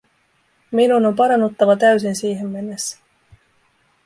Minun on parannuttava täysin siihen mennessä.